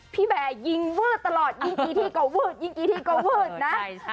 แบร์ยิงวืดตลอดยิงกี่ทีก็วืดยิงกี่ทีก็วืดนะ